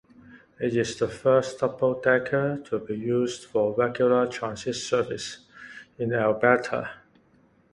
It is the first double-decker to be used for regular transit service in Alberta.